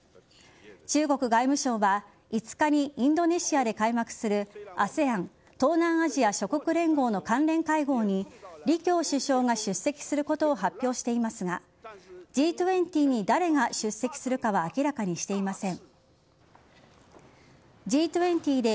中国外務省は５日にインドネシアで開幕するＡＳＥＡＮ＝東南アジア諸国連合の関連会合に李強首相が出席することを発表していますがＧ２０に誰が出席するかは明らかにしていません。